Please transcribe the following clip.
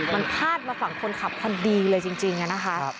มันพาดมาฝั่งคนขับพอดีเลยจริงนะคะ